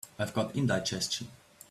I've got indigestion.